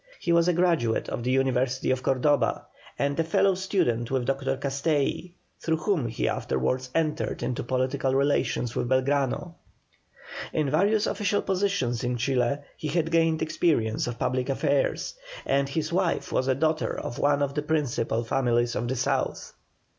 He was a graduate of the University of Cordoba, and a fellow student with Dr. Castelli, through whom he afterwards entered into political relations with Belgrano. In various official positions in Chile he had gained experience of public affairs, and his wife was a daughter of one of the principal families of the South.